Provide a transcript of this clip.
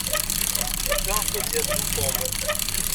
Ta d taydit n Tom?